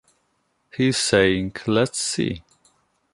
He is saying: “Lets see”.